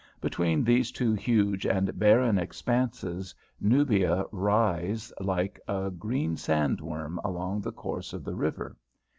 Between these two huge and barren expanses Nubia writhes like a green sandworm along the course of the river.